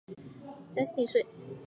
沅江澧水